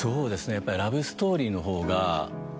やっぱりラブストーリーのほうが。